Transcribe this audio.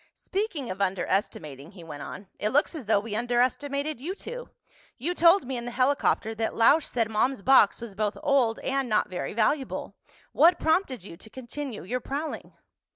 "Speaking of underestimating," he went on, "it looks as though we underestimated you two. You told me in the helicopter that Lausch said Mom's box was both old and not very valuable. What prompted you to continue your prowling?"